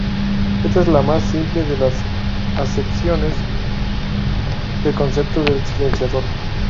Esta es la más simple de las acepciones del concepto del silenciador.